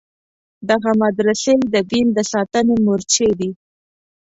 دغه مدرسې د دین د ساتنې مورچې دي.